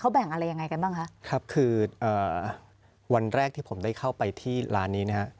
แบ่งอะไรยังไงกันบ้างคะครับคืออ่าวันแรกที่ผมได้เข้าไปที่ร้านนี้นะฮะ